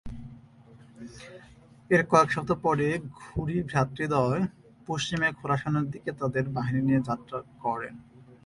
এর কয়েক সপ্তাহ পরে ঘুরি ভ্রাতৃদ্বয় পশ্চিমে খোরাসানের দিকে তাদের বাহিনী নিয়ে যাত্রা করেন।